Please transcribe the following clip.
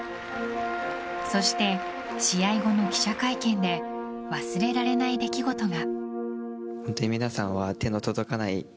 そして試合後の記者会見で忘れられない出来事が。